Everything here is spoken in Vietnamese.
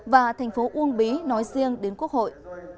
và thành phố uông bí nói riêng đến quốc hội